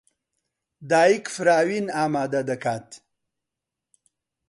دایک فراوین ئامادە دەکات.